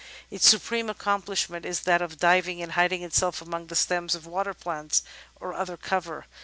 Its supreme accomplishment is that of diving and hiding itself among the stems of waterplants or other cover.